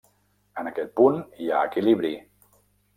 En aquest punt hi ha equilibri.